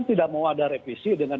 tidak mau ada revisi dengan